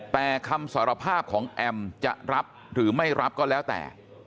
แต่คำสารภาพของแอมจะรับหรือไม่รับก็แล้วแต่